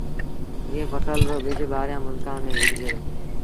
ايئي ڦسل رو ٻج ٻآهريآݩ ملڪآݩ ميݩ وڪجي دو۔